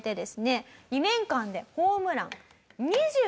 ２年間でホームラン２６本！